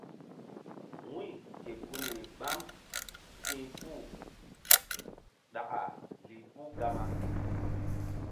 Wu̧y ke gunri gbam ti̧h puh ɗaka lih puh gama.